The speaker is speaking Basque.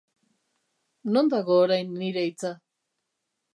Non dago orain nire hitza?